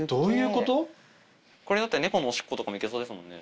これだったら猫のおしっことかも行けそうですもんね。